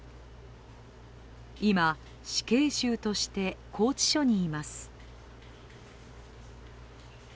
今、死刑囚として拘置所にいます。